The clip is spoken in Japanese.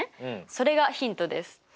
それがヒントです。